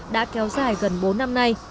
đã kéo dài gần bốn năm nay